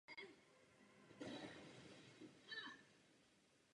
Po osvojení to už není nezbytně nutné.